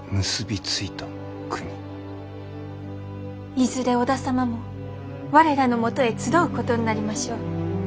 いずれ織田様も我らのもとへ集うことになりましょう。